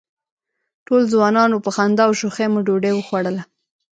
ټول ځوانان وو، په خندا او شوخۍ مو ډوډۍ وخوړله.